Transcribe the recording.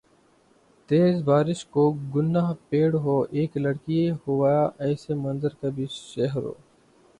تیز بارش ہو گھنا پیڑ ہو اِک لڑکی ہوایسے منظر کبھی شہروں